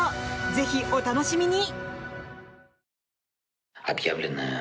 ぜひ、お楽しみに！